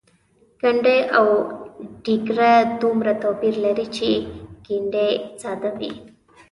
ګنډۍ او ډیګره دومره توپیر لري چې ګنډۍ ساده وي.